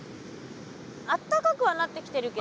あったかくはなってきてるけど。